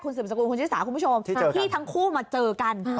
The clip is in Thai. สืบสกุลคุณชิสาคุณผู้ชมที่ทั้งคู่มาเจอกัน